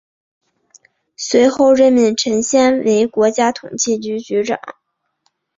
随后任命陈先为国家统计局局长。